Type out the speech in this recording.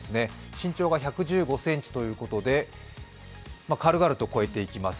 身長が１１５ｃｍということで本当に軽々と越えていきます。